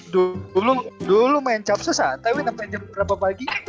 dulu lo main capsa santai weh nampain jam berapa pagi